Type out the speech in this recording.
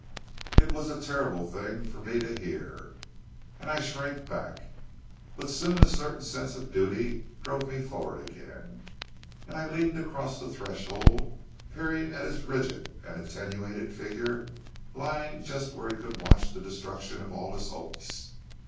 "It was a terrible thing to hear, for me to hear, and I shrank back. But soon a certain sense of duty drove me forward again, and I leaned across the threshold, peering at his rigid and attenuated figure lying just where he could watch the destruction of all his hopes.